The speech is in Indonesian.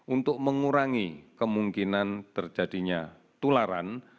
untuk mengurangi kemungkinan terjadinya tularan